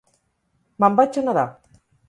Me'n vaig a nedar!